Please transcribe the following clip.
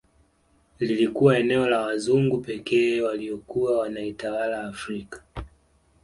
Iilikuwa eneo la wazungu pekee waliokuwa wanaitawala Afrika